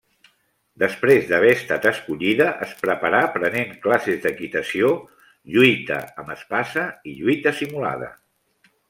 Després d'haver estat escollida, es preparà prenent classes d'equitació, lluita amb espasa i lluita simulada.